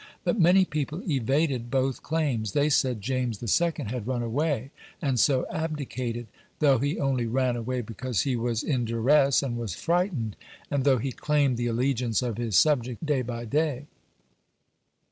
But many people evaded both claims. They said James II. had "run away," and so abdicated, though he only ran away because he was in duresse and was frightened, and though he claimed the allegiance of his subjects day by day.